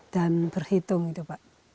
dan berhitung itu pak